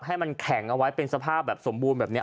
ให้มันแข็งเอาไว้เป็นสภาพแบบสมบูรณ์แบบนี้